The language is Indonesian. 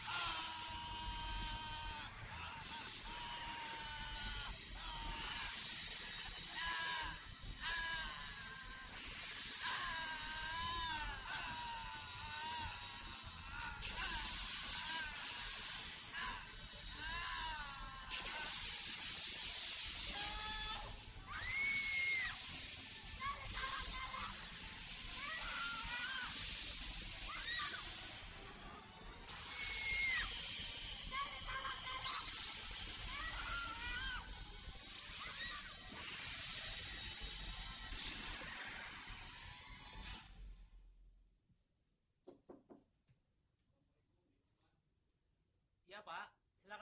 ada apa pak